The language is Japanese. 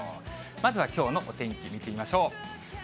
まずはきょうのお天気見てみましょう。